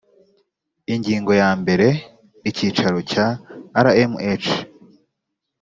ingingo yambere icyicaro cya rmh